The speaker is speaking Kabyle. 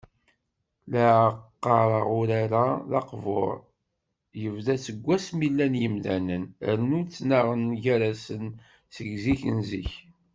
La aɣ-qqaren, urar-a, d aqbur: yebda seg wasmi llan yimdanen, rnu ttnaɣen gar-asen seg zik n zik.